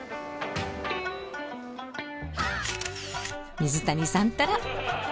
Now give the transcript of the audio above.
水谷さんったら！